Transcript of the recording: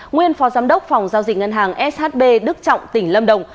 nguyên phó giám đốc phòng giao dịch ngân hàng shb đức trọng tỉnh lâm đồng